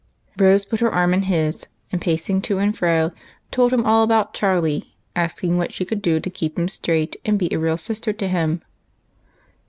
Rose put her arm in his, and, pacing to and fro, told him all about Charlie, asking what she could do to keep him straight, and be a real sister to him.